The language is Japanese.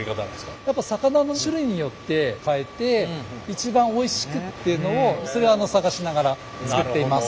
魚の種類によって変えて一番おいしくっていうのを探しながら作っています。